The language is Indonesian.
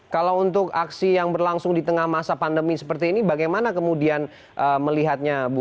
kalau untuk aksi yang berlangsung di tengah masa pandemi seperti ini bagaimana kemudian melihatnya bu